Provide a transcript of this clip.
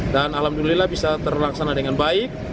dan alhamdulillah bisa terlaksana dengan baik